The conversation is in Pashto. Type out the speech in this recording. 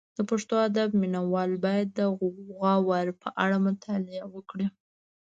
د پښتو ادب مینه وال باید د غور په اړه مطالعه وکړي